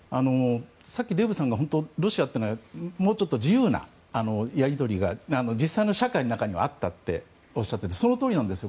さっきデーブさんがロシアというのはもうちょっと自由なやり取りが実際の社会の中にはあったとおっしゃっててそのとおりなんです。